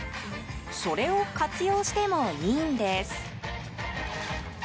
それを活用してもいいんです。